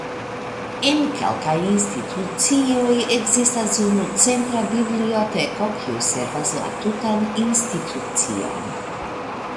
En kelkaj institucioj ekzistas unu centra biblioteko kiu servas la tutan institucion.